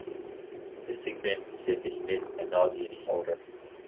The "Sigbin" is said to emit a nauseating odor.